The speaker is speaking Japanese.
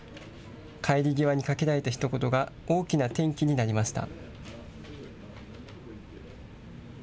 帰り際にかけられたひと言が大きな転機になりました。